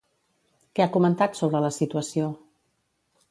Què ha comentat sobre la situació?